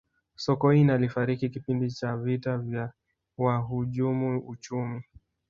sokoine alifariki kipindi cha vita ya wahujumu uchumi